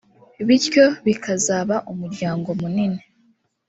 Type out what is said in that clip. bityo bikazaba umuryango munini